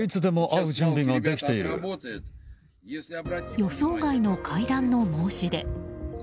予想外の会談の申し出。